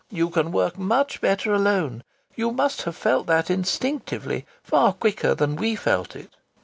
You can work much better alone. You must have felt that instinctively far quicker than we felt it."